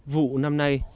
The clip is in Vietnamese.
vụ năm nay